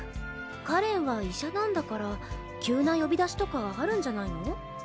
かれんは医者なんだから急な呼び出しとかあるんじゃないの？